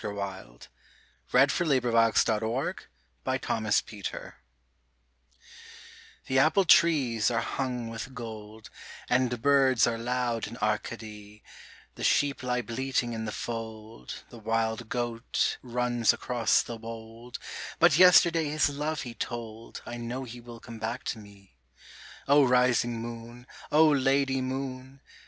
O loved for ever evermore I ENDYMION (for music) THE apple trees are hung with gold, And birds are loud in Arcady, The sheep lie bleating in the fold, The wild goat runs across the wold, But yesterday his love he told, I know he will come back to me. O rising moon ! O Lady moon